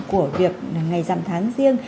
của việc ngày giảm tháng riêng